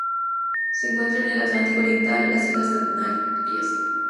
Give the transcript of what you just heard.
Se encuentra en el Atlántico oriental: las Islas Canarias.